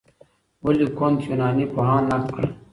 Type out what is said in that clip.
ولي کُنت يوناني پوهان نقد کړل؟